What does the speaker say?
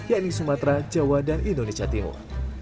yakni sumatera jawa dan indonesia timur